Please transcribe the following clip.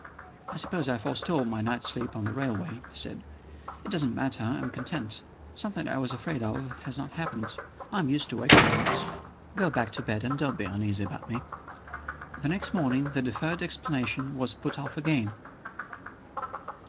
"I suppose I forestalled my night's sleep on the railway," he said. "It doesn't matter; I am content. Something that I was afraid of has not happened. I am used to wakeful nights. Go back to bed, and don't be uneasy about me." The next morning the deferred explanation was put off again.